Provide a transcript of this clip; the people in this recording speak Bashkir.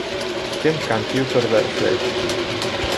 Кем компьютерҙа эшләй?